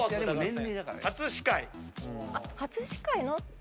初司会の？